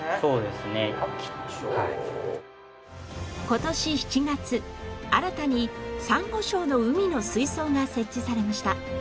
今年７月新たにサンゴ礁の海の水槽が設置されました。